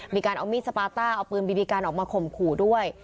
มีการเอามีดสปาต้าเอาปืนบีบีกันออกมาข่มขู่ด้วย